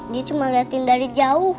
dia cuma ngeliatin dari jauh